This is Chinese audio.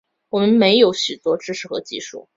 我们没有许多知识和技术